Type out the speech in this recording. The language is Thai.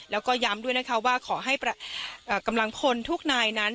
แล้วก็ย้ำด้วยนะคะว่าขอให้กำลังพลทุกนายนั้น